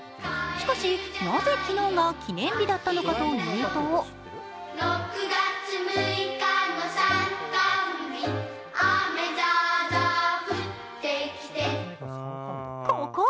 しかしなぜ昨日が記念日だったのかというとここ！